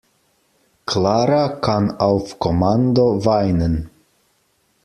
Clara kann auf Kommando weinen.